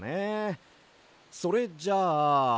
それじゃあ。